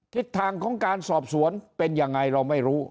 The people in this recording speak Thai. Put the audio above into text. ทิศทางของการสอบสวนเป็นยังไงเราไม่รู้